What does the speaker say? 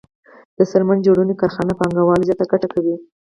د څرمن جوړونې کارخانې پانګوال زیاته ګټه کوي